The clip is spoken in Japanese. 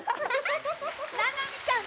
ななみちゃん